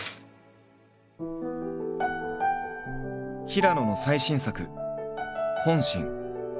平野の最新作「本心」。